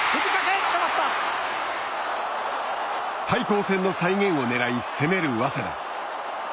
対抗戦の再現を狙い攻める早稲田。